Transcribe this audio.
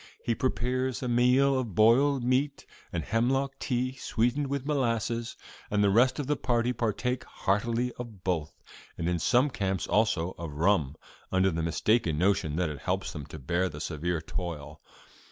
He prepares a meal of boiled meat and the hemlock tea sweetened with molasses, and the rest of the party partake heartily of both, and in some camps also of rum, under the mistaken notion that it helps them to bear the severe toil.